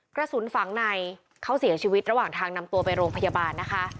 กระสุนฝังในเขาเสียชีวิตระหว่างทางนำตัวไปโรงพยาบาลนะคะ